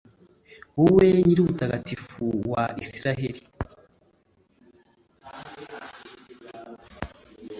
wowe nyir'ubutagatifu wa israheli